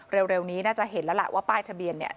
เร็วนี้น่าจะเห็นแล้วล่ะว่าป้ายทะเบียนเนี่ย